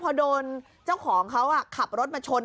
พอโดนเจ้าของเขาขับรถมาชน